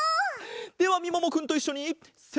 ではみももくんといっしょにせの。